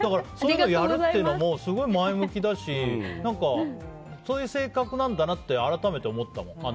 そういうのやるっていうのもすごく前向きだしそういう性格なんだなって改めて思ったわ。